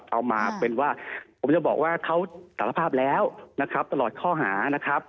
เอามาเป็นว่าผมจะบอกว่าเขาสารภาพแล้วนะครับตลอดข้อหานะครับ